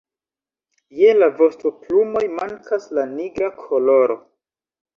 Je la vostoplumoj mankas la nigra koloro.